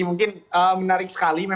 mungkin menarik sekali